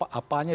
terima kasih ya